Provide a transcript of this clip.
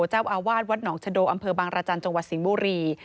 เจ้าอาวาสวัดหนองชะโดอำเภอบางรจันทร์จังหวัดสิงห์บุรี